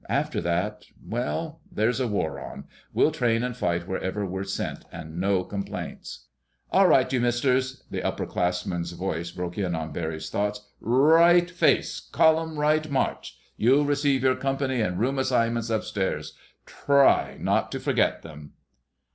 After that—well, there's a war on. We'll train and fight wherever we're sent, with no complaints...." "All right, you Misters!" the upperclassman's voice broke in on Barry's thoughts. "Right, face! Column right, march! You'll receive your company and room assignments upstairs. Try not to forget them!"